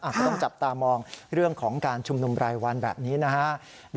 ก็ต้องจับตามองเรื่องของการชุมนุมรายวันแบบนี้นะฮะ